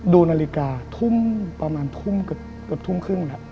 ดูนาฬิกาทุ่มประมาณทุ่มเกือบทุ่มครึ่งแล้ว